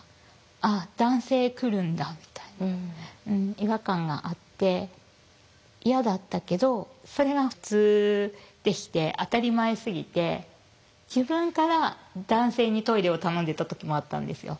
違和感があって嫌だったけどそれが普通でして当たり前すぎて自分から男性にトイレを頼んでた時もあったんですよ。